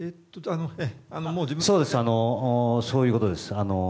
そういうことです。